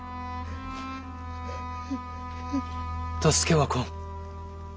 助けは来ん。